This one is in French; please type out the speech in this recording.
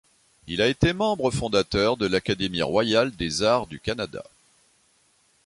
Il a été membre fondateur de l'Académie royale des arts du Canada.